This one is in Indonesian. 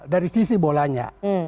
dari sisi bolanya